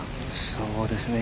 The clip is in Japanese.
そうですね。